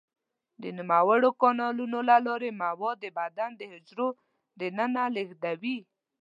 د نوموړو کانالونو له لارې مواد د بدن د حجرو دننه لیږدوي.